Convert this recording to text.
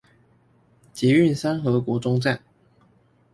捷運三和國中站